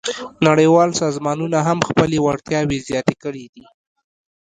نړیوال سازمانونه هم خپلې وړتیاوې زیاتې کړې دي